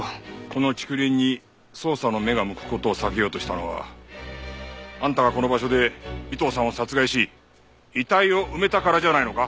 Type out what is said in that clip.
この竹林に捜査の目が向く事を避けようとしたのはあんたがこの場所で尾藤さんを殺害し遺体を埋めたからじゃないのか？